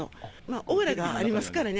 オーラがありますからね。